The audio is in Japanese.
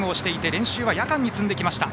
練習は夜間に積んできました。